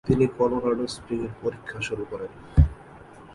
তিনি Colorado Spring এর পরীক্ষা শুরু করেন।